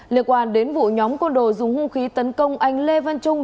liên quan đến vụ nhóm côn đồ dùng hung khí tấn công anh lê văn trung